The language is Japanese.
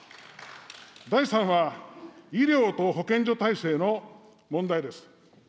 第３は、医療と保健所体制の問題です。